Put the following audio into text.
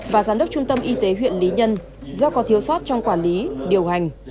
và giám đốc trung tâm y tế huyện lý nhân do có thiếu sót trong quản lý điều hành